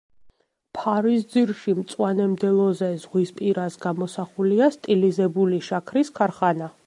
ფარის ძირში, მწვანე მდელოზე, ზღვის პირას გამოსახულია სტილიზებული შაქრის ქარხანა.